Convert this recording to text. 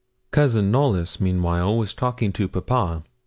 Cousin Knollys meanwhile was talking to papa.